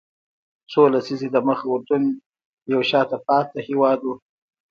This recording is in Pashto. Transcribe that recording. څو لسیزې دمخه اردن یو شاته پاتې هېواد و.